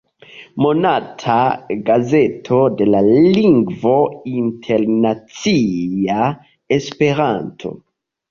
Monata gazeto de la lingvo internacia 'Esperanto"'.